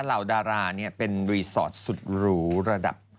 เหล่าดาราเป็นรีสอร์ทสุดหรูระดับ